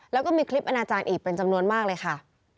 แล้วก็มีคลิปอนาจารย์อีกเป็นจำนวนมากเลยค่ะ